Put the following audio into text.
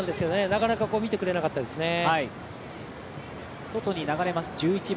なかなか見てくれなかったですね。